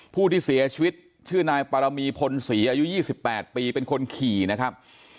ผู้ที่เสียชีวิตชื่อนายปรมีพลศรีอายุ๒๘ปีเป็นคนขี่นะครับ